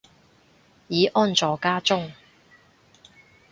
已安坐家中